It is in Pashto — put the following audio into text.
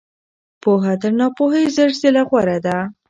پوهه تر ناپوهۍ زر ځله غوره ده.